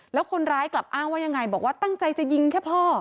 แล้วคนร้ายกลับอ้างว่ายังไงบอกว่าตั้งใจจะยิงแค่พ่อ